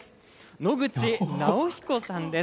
農口尚彦さんです。